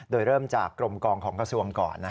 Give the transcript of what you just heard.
โดยเริ่มจากกรมกองของกระซวมก่อนนะฮะ